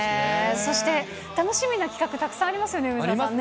そして楽しみな企画、たくさんありますよね、梅澤さんね。